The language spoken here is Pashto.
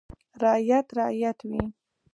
• رعیت رعیت وي.